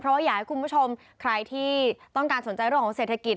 เพราะว่าอยากให้คุณผู้ชมใครที่ต้องการสนใจเรื่องของเศรษฐกิจ